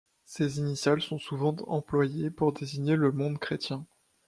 Ces initiales sont souvent employées pour désigner le monde chrétien.